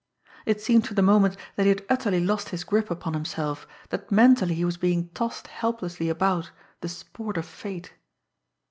It seemed for the moment that he had utterly lost his grip upon himself; that mentally he was being tossed helplessly about, the sport of fate.